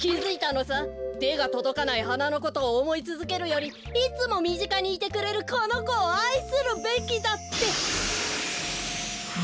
てがとどかないはなのことをおもいつづけるよりいつもみぢかにいてくれるこのこをあいするべきだって！